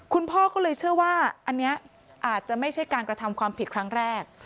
คุณพ่อก็เลยเชื่อว่าอันนี้อาจจะไม่ใช่การกระทำความผิดครั้งแรก